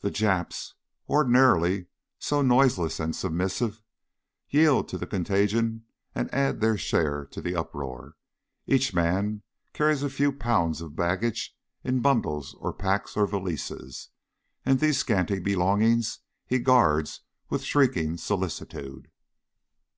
The Japs, ordinarily so noiseless and submissive, yield to the contagion and add their share to the uproar. Each man carries a few pounds of baggage in bundles or packs or valises, and these scanty belongings he guards with shrieking solicitude.